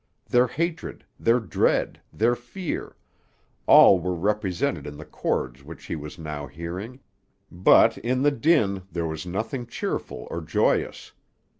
Their hatred, their dread, their fear, all were represented in the chords which he was now hearing, but in the din there was nothing cheerful or joyous.